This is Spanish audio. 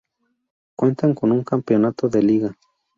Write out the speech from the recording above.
Cuentan con un campeonato de liga.